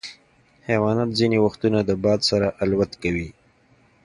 حیوانات ځینې وختونه د باد سره الوت کوي.